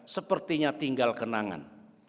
sepertinya tinggal kenangan